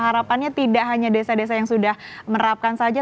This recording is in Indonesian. harapannya tidak hanya desa desa yang sudah menerapkan saja